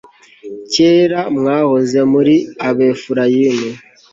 kera mwahoze muri ab' efurayimu